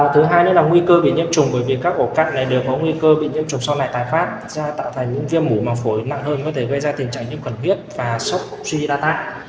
thứ hai là nguy cơ bị nhiễm trùng bởi vì các ổ cặn này đều có nguy cơ bị nhiễm trùng sau này tài phát ra tạo thành những viêm mủ mảng phổi nặng hơn có thể gây ra tình trạng nhiễm khẩn viết và sốc ghi đa tạ